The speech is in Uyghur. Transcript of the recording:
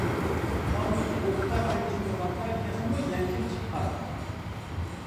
قالدۇق دۇغقا سېلىشتۇرغاندا تېخىمۇ يەڭگىل چىققان.